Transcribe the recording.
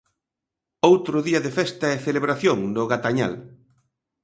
Outro día de festa e celebración no Gatañal.